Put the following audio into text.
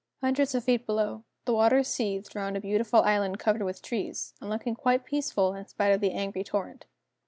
Hundreds of feet below, the water seethed round a beautiful island covered with trees, and looking quite peaceful, in spite of the angry torrent.